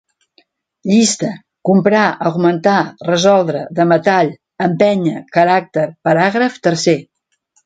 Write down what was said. Llista: comprar, augmentar, resoldre, de metall, empènyer, caràcter, paràgraf, tercer